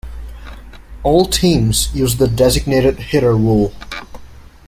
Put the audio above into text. All teams use the designated hitter rule.